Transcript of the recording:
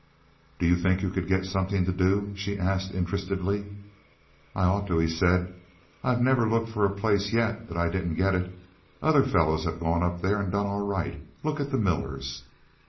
"Do you think you could get something to do?" she asked interestedly. "I ought to," he said. "I've never looked for a place yet that I didn't get it. Other fellows have gone up there and done all right. Look at the Millers."